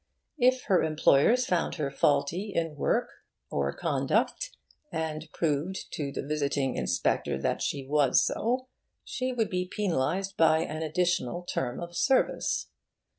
If her employers found her faulty in work or conduct, and proved to the visiting inspector that she was so, she would be penalised by an additional term of service.